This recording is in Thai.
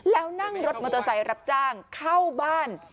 แล้วนั่งรถมอเตอร์ไซค์รับจ้างเข้าบ้าน